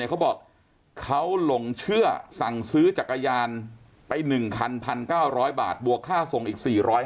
เขาบอกเขาหลงเชื่อสั่งซื้อจักรยานไป๑คัน๑๙๐๐บาทบวกค่าส่งอีก๔๕๐